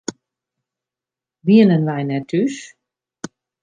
Wienen wy net thús?